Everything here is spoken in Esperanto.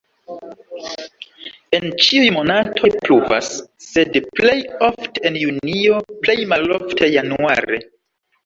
En ĉiuj monatoj pluvas, sed plej ofte en junio, plej malofte januare.